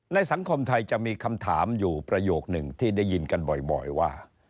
สังคมไทยจะมีคำถามอยู่ประโยคนึงที่ได้ยินกันบ่อยว่า